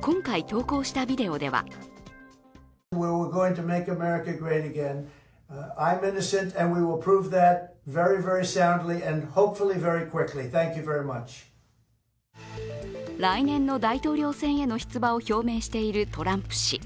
今回、投稿したビデオでは来年の大統領選への出馬を表明しているトランプ氏。